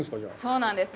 そうなんです。